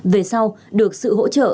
về sau được sự hỗ trợ